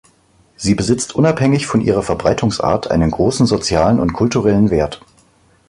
Sie besitzt unabhängig von ihrer Verbreitungsart einen großen sozialen und kulturellen Wert.